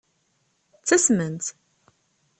Ttasment.